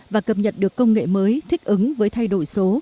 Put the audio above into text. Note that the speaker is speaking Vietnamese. và cập nhật được công nghệ mới thích ứng với thay đổi số